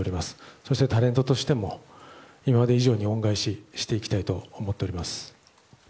そして、タレントとしても今まで以上に恩返ししていきたいと思っております。